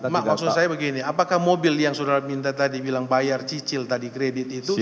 maksud saya begini apakah mobil yang sudah minta tadi bilang bayar cicil tadi kredit itu